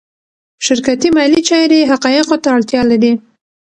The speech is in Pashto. شرکتي مالي چارې حقایقو ته اړتیا لري.